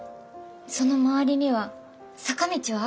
その周りには坂道はあるのか